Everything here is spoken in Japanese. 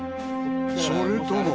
それとも。